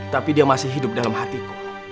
tapi dia masih hidup dalam hatiku